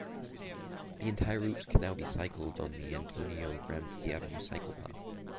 The entire route can now be cycled on the Antonio Gramsci avenue cycle path.